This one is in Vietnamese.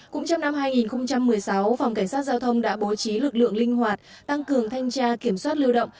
cũng trong năm hai nghìn một mươi sáu phòng cảnh sát giao thông đã bố trí lực lượng linh hoạt tăng cường thanh tra kiểm soát lưu động